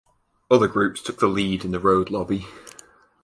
Other groups took the lead in the road lobby.